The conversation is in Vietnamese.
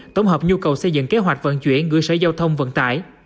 tổng hợp nhu cầu xây dựng kế hoạch vận chuyển gửi sở giao thông vận tải